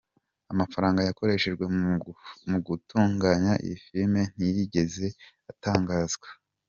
Amafaranga yakoreshejwe mu gutunganya iyi filime ntiyigeze atangazwa.